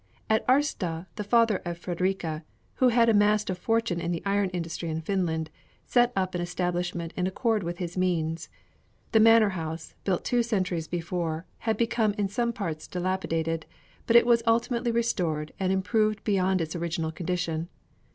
At Årsta the father of Fredrika, who had amassed a fortune in the iron industry in Finland, set up an establishment in accord with his means. The manor house, built two centuries before, had become in some parts dilapidated, but it was ultimately restored and improved beyond its original condition.